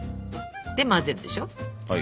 で混ぜるでしょ。